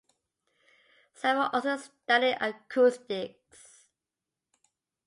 Savart also studied acoustics.